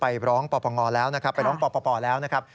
ไปร้องป่อแล้วนะครับ